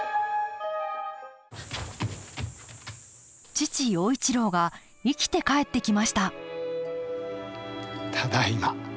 父陽一郎が生きて帰ってきましたただいま。